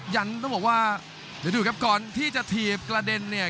ต้องบอกว่าเดี๋ยวดูครับก่อนที่จะถีบกระเด็นเนี่ย